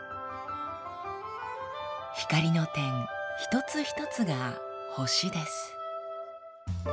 光の点一つ一つが星です。